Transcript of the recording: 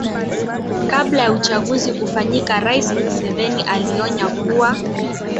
kabla ya uchaguzi kufanyika rais museveni alionya kuwa